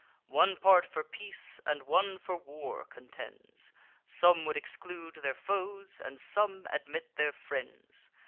One part for peace, and one for war contends; Some would exclude their foes, and some admit their friends.